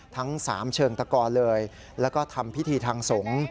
ทั้ง๓เชิงตะกรเลยแล้วก็ทำพิธีทางสงฆ์